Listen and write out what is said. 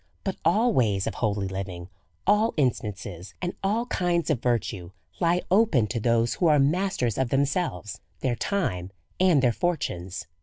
But all ways of holy living, all instances, and all kinds of virtue, lie open to those who are masters of themselves, their time, and their fortunes.